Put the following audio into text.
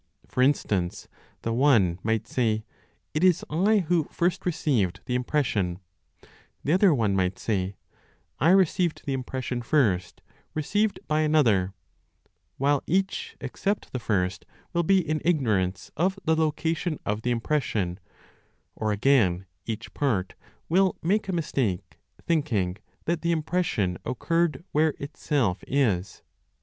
For instance, the one might say, "It is I who first received the impression"; the other one might say, "I received the impression first received by another"; while each, except the first, will be in ignorance of the location of the impression; or again, each part will make a mistake, thinking that the impression occurred where itself is.